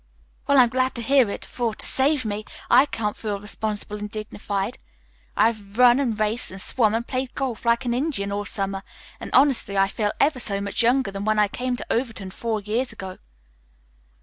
"Well, I'm glad to hear it, for, to save me, I can't feel responsible and dignified. I've run and raced and swum and played golf like an Indian all summer, and honestly I feel ever so much younger than when I came to Overton four years ago.